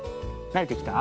なれてきた。